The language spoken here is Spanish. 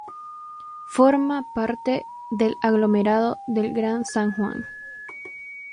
Forma parte del aglomerado del Gran San Juan.